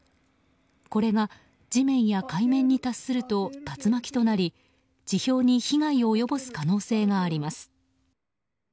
これが地面や海面に達すると竜巻となり地表に被害を及ぼす可能性があります。